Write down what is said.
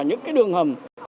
những cái đường hầm